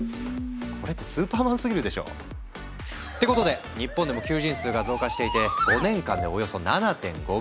これってスーパーマンすぎるでしょ！ってことで日本でも求人数が増加していて５年間でおよそ７．５倍に。